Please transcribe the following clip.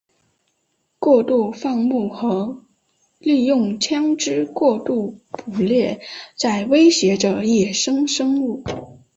过度放牧和利用枪枝过度捕猎在威胁着野生生物。